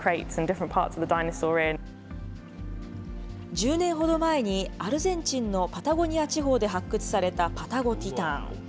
１０年ほど前に、アルゼンチンのパタゴニア地方で発掘されたパタゴティタン。